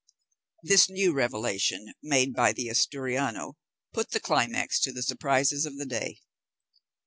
This new revelation made by the Asturiano put the climax to the surprises of the day.